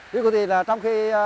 thứ thứ thì là trong khi bán mìn